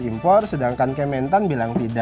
impor sedangkan kementan bilang tidak